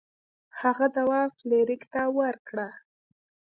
هغه دوا فلیریک ته ورکړه.